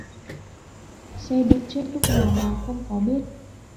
Xe đụng chết lúc nào mà không có biết